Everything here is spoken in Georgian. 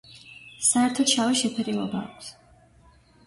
საერთოდ შავი შეფერილობა აქვს.